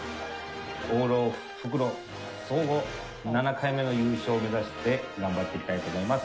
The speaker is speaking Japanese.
往路、復路、総合７回目の優勝を目指して、頑張っていきたいと思います。